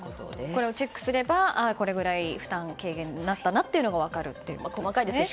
これをチェックすればこれぐらいの負担軽減になったことが分かるということですね。